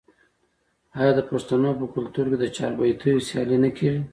آیا د پښتنو په کلتور کې د چاربیتیو سیالي نه کیږي؟